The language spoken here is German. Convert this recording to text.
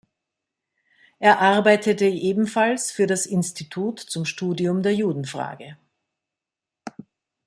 Er arbeitete ebenfalls für das Institut zum Studium der Judenfrage.